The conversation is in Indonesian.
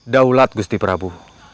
daulat gusti prabu